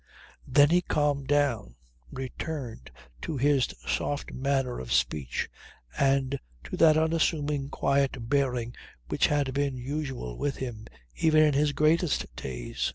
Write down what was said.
Then he calmed down, returned to his soft manner of speech and to that unassuming quiet bearing which had been usual with him even in his greatest days.